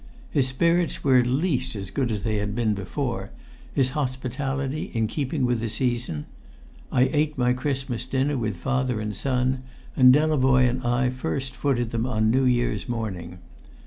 His spirits were at least as good as they had been before, his hospitality in keeping with the season. I ate my Christmas dinner with father and son, and Delavoye and I first footed them on New Year's morning.